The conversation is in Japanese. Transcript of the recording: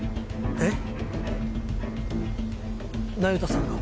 えっ？